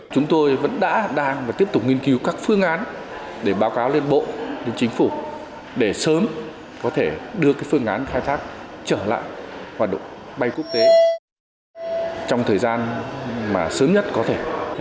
chúng tôi vẫn đã đang và tiếp tục nghiên cứu các phương án để báo cáo lên bộ lên chính phủ để sớm có thể đưa phương án khai thác trở lại hoạt động bay quốc tế trong thời gian mà sớm nhất có thể